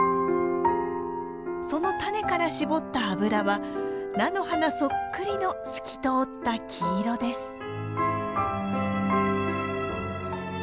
そのタネから搾った油は菜の花そっくりの透き通った黄色です。